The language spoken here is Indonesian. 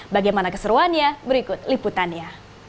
bagaimana keseruannya berikut liputannya